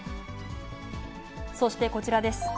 そしてこちらです。